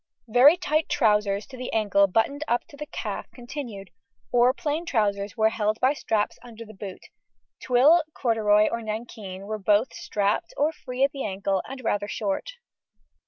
Very tight trousers to the ankle buttoned up to the calf continued, or plain trousers were held by straps under the boot; twill, corduroy, or nankeen were both strapped or free at the ankle and rather short.